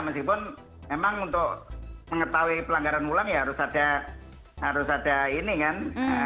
meskipun memang untuk mengetahui pelanggaran ulang ya harus ada ini kan